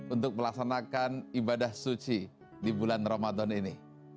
untuk melaksanakan ibadah suci di bulan ramadan ini